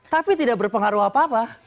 tapi tidak berpengaruh apa apa